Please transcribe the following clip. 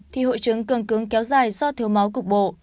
thì hội chứng cường cứng kéo dài do thiếu máu cục bộ